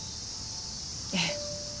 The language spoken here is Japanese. ええ。